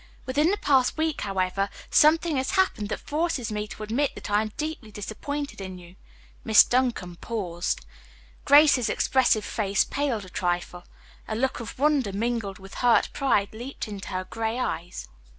Within the past week, however, something has happened that forces me to admit that I am deeply disappointed in you." Miss Duncan paused. Grace's expressive face paled a trifle. A look of wonder mingled with hurt pride leaped into her gray eyes.